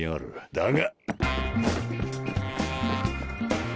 だが！